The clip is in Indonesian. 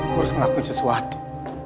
perusahaan ngakuin sesuatu